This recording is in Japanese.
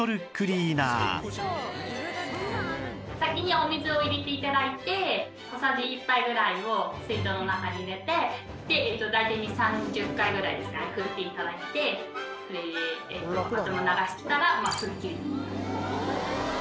先にお水を入れて頂いて小さじ１杯ぐらいを水筒の中に入れて大体２０３０回ぐらいですかね振って頂いてそれであともう流しきったらすっきり。